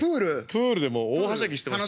プールでもう大はしゃぎしてました。